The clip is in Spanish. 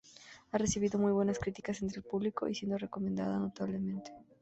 Ha recibido muy buenas críticas entre el público, y siendo recomendada notablemente.